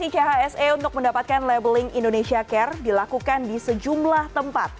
chse untuk mendapatkan labeling indonesia care dilakukan di sejumlah tempat